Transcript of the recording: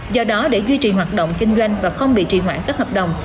do đó để duy trì hoạt động kinh doanh và không bị trì hoãn các hợp đồng